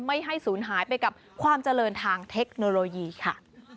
ไม่ให้ศูนย์หายไปกับความเจริญทางเทคโนโลยีค่ะ